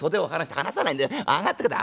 『離さないんでえ上がってください』。